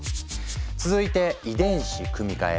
続いて遺伝子組み換え。